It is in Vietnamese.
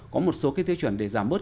có một số cái tiêu chuẩn để giảm bớt